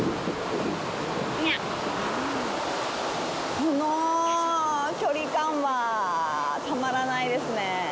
この距離感は、たまらないですねえ。